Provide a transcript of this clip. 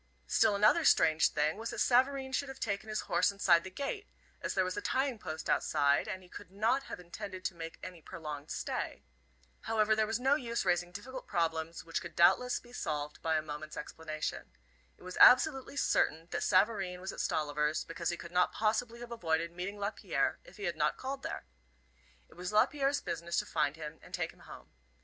Still another strange thing was that Savareen should have taken his horse inside the gate, as there was a tying post outside, and he could not have intended to make any prolonged stay. However, there was no use raising difficult problems, which could doubt less be solved by a moment's explanation. It was absolutely certain that Savareen was at Stolliver's because he could not possibly have avoided meeting Lapierre if he had not called there. It was Lapierre's business to find him and take him home.